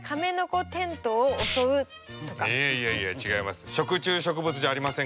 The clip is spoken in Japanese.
いやいや違います。